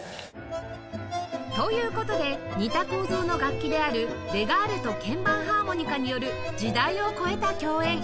という事で似た構造の楽器であるレガールと鍵盤ハーモニカによる時代を超えた共演！